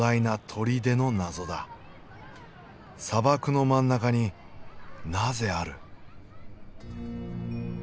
砂漠の真ん中になぜある？